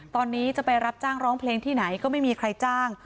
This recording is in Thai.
ตอนนี้จะไปรับจ้างร้องเพลงที่ไหนก็ไม่มีใครจ้าง